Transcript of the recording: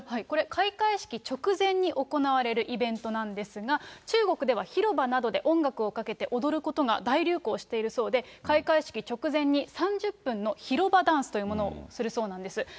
これ、開会式直前に行われるイベントなんですが、中国では広場などで音楽をかけて踊ることが大流行しているそうで、開会式直前に３０分の広場ダンスというものを披露するそうなんです。